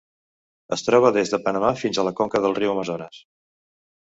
Es troba des de Panamà fins a la conca del riu Amazones.